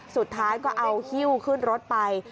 สุดท้ายก็เอาฮิ้วขึ้นรถไป